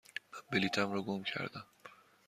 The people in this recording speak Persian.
من بلیطم را گم کردم.